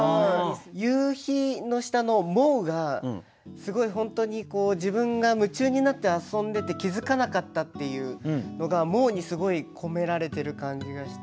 「夕日」の下の「もう」がすごい本当に自分が夢中になって遊んでて気付かなかったっていうのが「もう」にすごい込められてる感じがして。